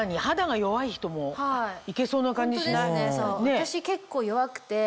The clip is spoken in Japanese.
私結構弱くて。